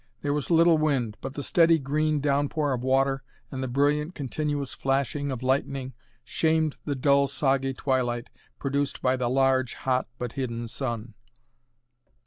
There was little wind, but the steady green downpour of water and the brilliant continuous flashing of lightning shamed the dull soggy twilight produced by the large, hot, but hidden sun.